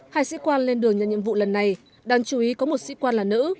hai sĩ quan lên đường nhận nhiệm vụ lần này đáng chú ý có một sĩ quan là nữ